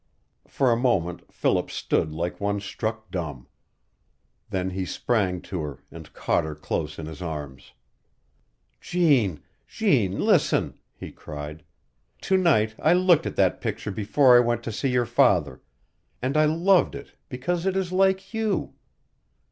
For a moment Philip stood like one struck dumb. Then he sprang to her and caught her close in his arms. "Jeanne Jeanne listen," he cried. "To night I looked at that picture before I went to see your father, and I loved it because it is like you.